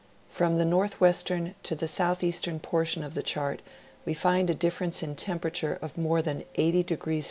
From, the northwest ern to the southeastern portion of the chart we find a difference in temperature of more than 80° F.